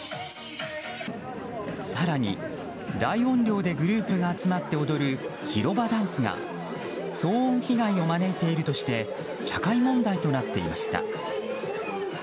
更に、大音量でグループが集まって踊る広場ダンスが騒音被害を招いているとして社会問題となっていました。